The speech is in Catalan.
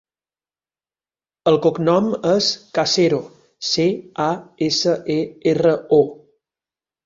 El cognom és Casero: ce, a, essa, e, erra, o.